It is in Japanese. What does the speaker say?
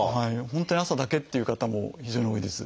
本当に朝だけっていう方も非常に多いです。